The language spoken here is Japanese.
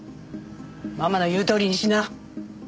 ママの言うとおりにしな。